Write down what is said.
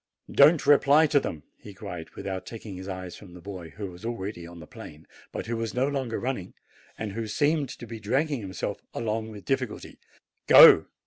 "Don't reply to them!" he cried, without taking his eyes from the boy, who was already on the plain, but who was no longer running, and who seemed to be dragging himself along with difficulty. "Go!